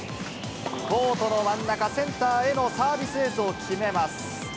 コートの真ん中、センターへのサービスエースを決めます。